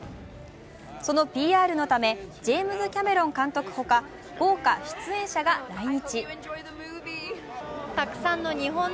そのＰＲのためジェームズ・キャメロン監督ほか、豪華出演者が来日。